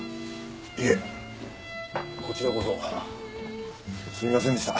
いえこちらこそすみませんでした。